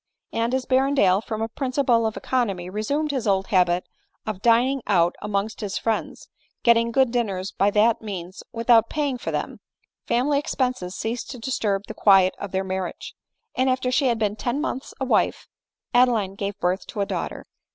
And as Berrendale, from a principle of econ omy, resumed his old habit of dining out amongst his friends, getting good dinners by that means without pay ing for them, family expenses ceased to disturb the quiet of their marriage ; and after sLa had been ten months a wife Adeline gave birth to a daughter.